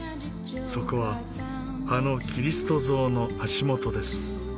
そこはあのキリスト像の足元です。